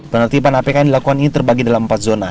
penertiban apk yang dilakukan ini terbagi dalam empat zona